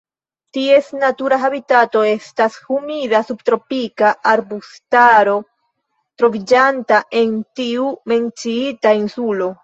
Ties natura habitato estas humida subtropika arbustaro troviĝanta en tiu menciita insulo.